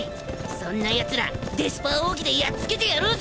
そんなやつらデスパー奥義でやっつけてやろうぜ！